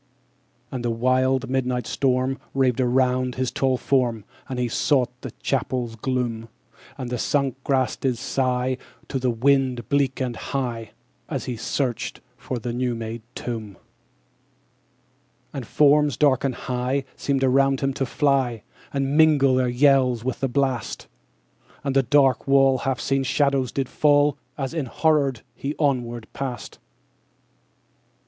And the wild midnight storm Raved around his tall form, _60 As he sought the chapel's gloom: And the sunk grass did sigh To the wind, bleak and high, As he searched for the new made tomb. 12. And forms, dark and high, _65 Seemed around him to fly, And mingle their yells with the blast: And on the dark wall Half seen shadows did fall, As enhorrored he onward passed. _70 13.